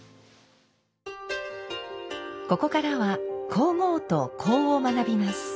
ここからは香合と香を学びます。